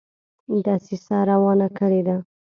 دسیسه روانه کړي ده.